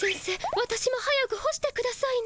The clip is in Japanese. わたしも早く干してくださいな。